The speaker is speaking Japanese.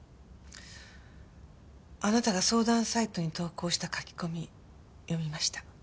あなたが相談サイトに投稿した書き込み読みました。